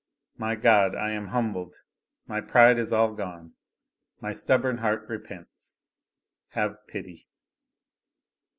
My God, I am humbled, my pride is all gone, my stubborn heart repents have pity!"